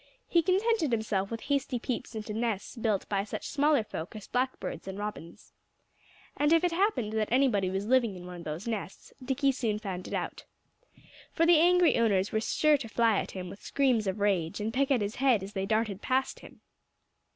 He contented himself with hasty peeps into nests built by such smaller folk as Blackbirds and Robins. And if it happened that anybody was living in one of those nests, Dickie soon found it out. For the angry owners were sure to fly at him with screams of rage, and peck at his head as they darted past him.